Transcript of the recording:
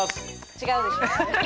違うでしょ。